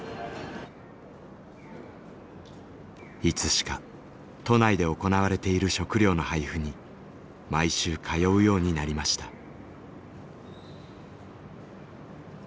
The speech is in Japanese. いつしか都内で行われている食料の配布に毎週通うようになりました。